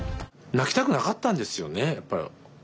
泣きたくなかったんですよねやっぱ。